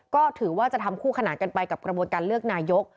ก็ถือว่าจะทำคู่ขนานกันไปกับกระบวนการเลือกนายก